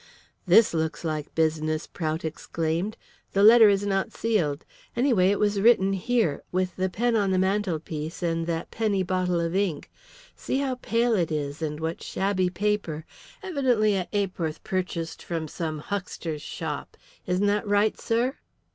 "This looks like business," Prout exclaimed. "The letter is not sealed. Anyway, it was written here with the pen on the mantelpiece and that penny bottle of ink; see how pale it is and what shabby paper, evidently a ha'porth purchased from some huckster's shop. Isn't that right, sir?"